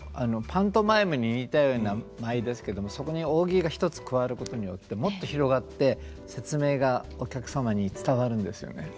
パントマイムに似たような舞ですけどもそこに扇が一つ加わることによってもっと広がって説明がお客様に伝わるんですよね。